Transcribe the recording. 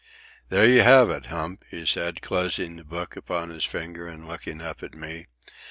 "There you have it, Hump," he said, closing the book upon his finger and looking up at me.